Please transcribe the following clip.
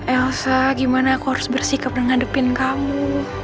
elsa gimana aku harus bersikap ngadepin kamu